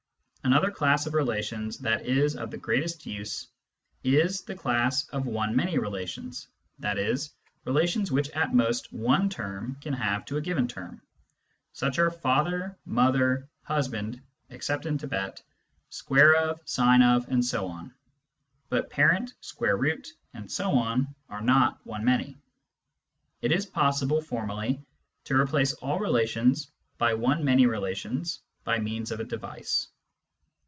Another class of relations that is of the greatest use is the class of one many relations, i.e. relations which at most one term can have to a given term. Such are father, mother, husband (except in Tibet), square of, sine of, and so on. But parent, square root, and so on, are not one many. It is possible, formally, to replace all relations by one many relations by means of a device.